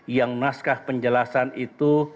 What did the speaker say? yang naskah penjelasan itu